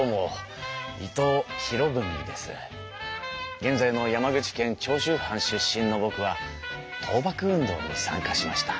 現在の山口県長州藩出身のぼくは倒幕運動に参加しました。